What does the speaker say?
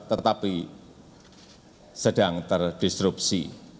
tetapi sedang terdisrupsi